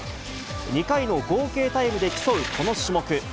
２回の合計タイムで競うこの種目。